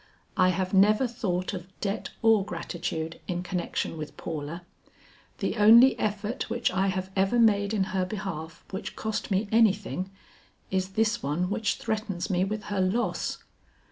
"I have never thought of debt or gratitude in connection with Paula. The only effort which I have ever made in her behalf which cost me anything, is this one which threatens me with her loss."